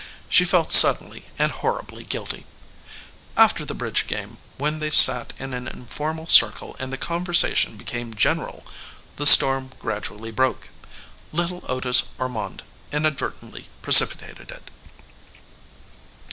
She felt suddenly and horribly guilty. After the bridge game, when they sat in an informal circle and the conversation became general, the storm gradually broke. Little Otis Ormonde inadvertently precipitated it.